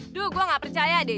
aduh gue gak percaya deh